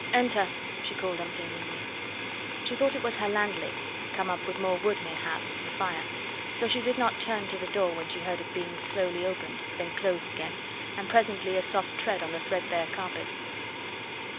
"Enter!" she called unthinkingly. She thought it was her landlady, come up with more wood, mayhap, for the fire, so she did not turn to the door when she heard it being slowly opened, then closed again, and presently a soft tread on the threadbare carpet.